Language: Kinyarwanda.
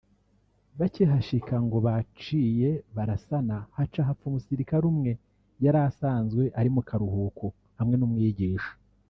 Bakihashika ngo baciye barasana haca hapfa umusirikare umwe yari asanzwe ari mu karuhuko hamwe n'umwigisha